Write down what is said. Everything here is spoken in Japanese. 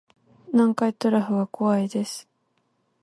南海トラフが怖いです